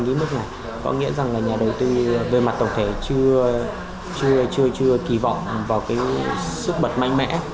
đến mức này có nghĩa rằng là nhà đầu tư về mặt tổng thể chưa kỳ vọng vào cái sức bật mạnh mẽ